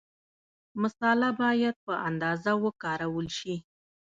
مساله باید په اندازه وکارول شي.